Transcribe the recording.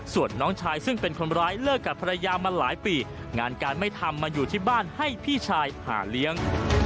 ส่วนน้องชายซึ่งเป็นคนร้ายเลิกกับภรรยามาหลายปีงานการไม่ทำมาอยู่ที่บ้านให้พี่ชายหาเลี้ยง